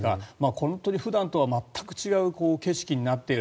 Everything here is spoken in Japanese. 本当に普段とは全く違う景色になっている。